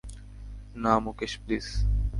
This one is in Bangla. না, মুকেশ প্লীজ।